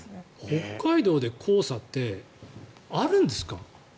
北海道で黄砂ってあるんですか？